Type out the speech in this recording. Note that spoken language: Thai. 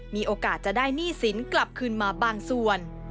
มีโอกาสจะได้หนี้สินกลับคืนมาบางส่วน